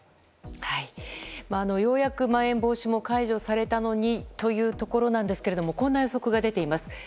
ようやくまん延防止も解除されたのにというところなんですけれどもこんな予測が出ています。